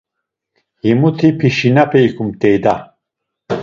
Himuti p̌işinape ikumt̆ey da!